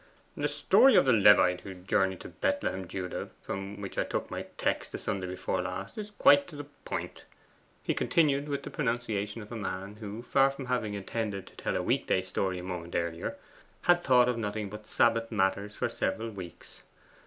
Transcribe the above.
'The story of the Levite who journeyed to Bethlehem judah, from which I took my text the Sunday before last, is quite to the point,' he continued, with the pronunciation of a man who, far from having intended to tell a week day story a moment earlier, had thought of nothing but Sabbath matters for several weeks.